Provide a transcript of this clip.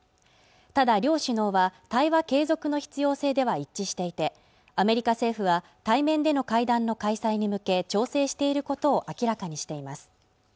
ただ両首脳は対話継続の必要性では一致していてアメリカ政府は対面での会談の開催に向け調整していることを明らかにしています